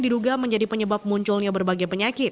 diduga menjadi penyebab munculnya berbagai penyakit